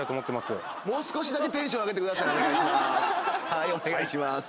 はいお願いします